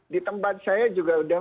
di tempat saya juga sudah